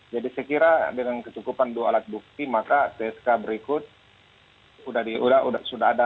jadi saya kira dengan kecukupan dua alat bukti maka csk berikut sudah ada